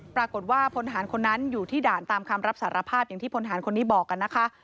ปรากฏว่าพลฐานคนนั้นอยู่ที่ด่านตามคำรับสารภาพอย่างที่พลฐานคนนี้บอกกันนะคะ